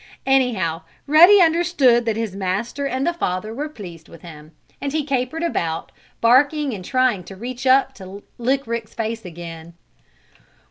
Anyhow Ruddy understood that his master and the father were pleased with him, and he capered about, barking and trying to reach up to lick Rick's face again.